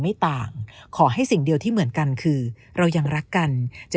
ไม่ต่างขอให้สิ่งเดียวที่เหมือนกันคือเรายังรักกันจะ